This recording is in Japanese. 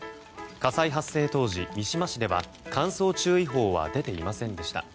火災発生当時、三島市では乾燥注意報は出ていませんでした。